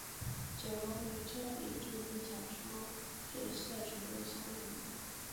酒楼名称以著名小说角色楚留香命名。